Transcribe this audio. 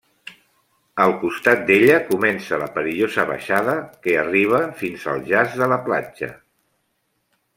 Al costat d'ella comença la perillosa baixada que arriba fins al jaç de la platja.